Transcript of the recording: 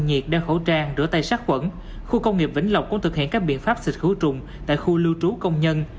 nhiệt đeo khẩu trang rửa tay sát quẩn khu công nghiệp vĩnh lộc cũng thực hiện các biện pháp xịt khử trùng tại khu lưu trú công nhân